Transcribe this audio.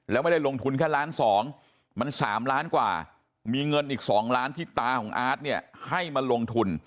แล้วไม่ได้ลงทุนแค่ล้านสองมัน๓ล้านกว่ามีเงินอีก๒ล้านที่ตาของอาร์ตเนี่ยให้มาลงทุน